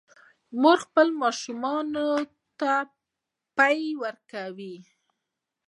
مور خپل ماشوم ته خپل پی ورکوي